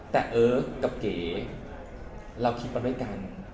แต่เอิร์กกับเก๋เราคิดมาด้วยกัน